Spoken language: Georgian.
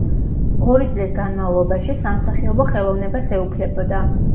ორი წლის განმავლობაში, სამსახიობო ხელოვნებას ეუფლებოდა.